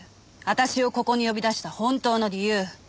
私をここに呼び出した本当の理由。